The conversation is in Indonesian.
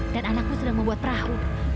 dan anakmu sudah membuat perahu